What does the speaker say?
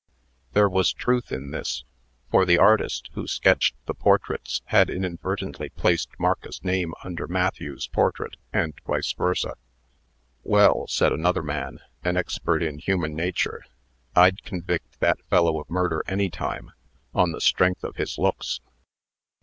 There was truth in this; for the artist who sketched the portraits, had inadvertently placed Marcus's name under Matthew's portrait, and vice versa. "Well," said another man, an expert in human nature, "I'd convict that fellow of murder any time, on the strength of his looks.